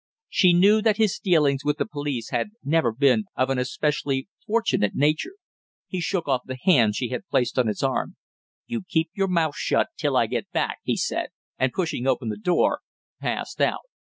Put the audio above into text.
She knew that his dealings with the police had never been of an especially fortunate nature. He shook off the hand she had placed on his arm. "You keep your mouth shut till I get back!" he said, and pushing open the door, passed out.